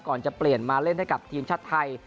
ก่อนจะเปลี่ยนมาเล่นให้กับทีมชาติไทย